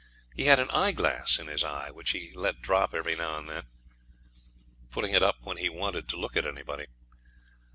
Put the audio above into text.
He had an eyeglass in his eye, which he let drop every now and then, putting it up when he wanted to look at anybody.